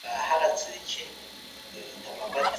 کله به نړیواله ټولنه نړیواله مرسته تایید کړي؟